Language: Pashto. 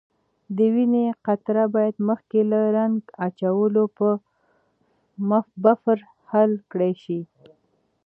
د وینې قطره باید مخکې له رنګ اچولو په بفر حل کړای شي.